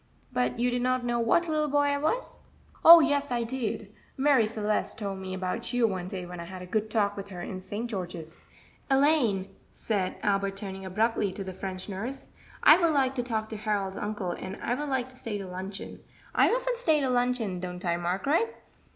"But you did not know what little boy I was?" "Oh, yes, I did; Marie Celeste told me about you one day when I had a good talk with her in St. George's." "Elaine," said Albert, turning abruptly to the French nurse, "I would like to talk to Harold's uncle, and I would like to stay to luncheon I often stay to luncheon, don't I, Margaret?"